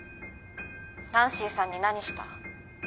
ナンシーさんに何した？